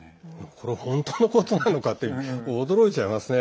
これ、本当のことなのかって驚いちゃいますね。